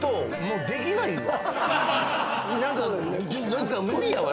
何か無理やわ。